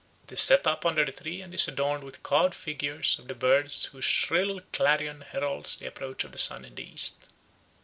It is set up under the tree and is adorned with carved figures of the birds whose shrill clarion heralds the approach of the sun in the east.